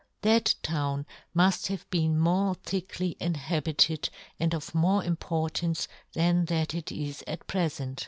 That town muft have been more thickly inhabited, and of more importance then than it is at pre fent.